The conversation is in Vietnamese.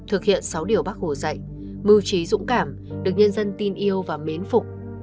thực hiện sáu điều bác hồ dạy mưu trí dũng cảm được nhân dân tin yêu và mến phục